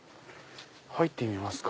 入ってみますか。